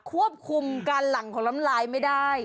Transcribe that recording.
ควบคุมการหลั่งของน้ำลายไม่ได้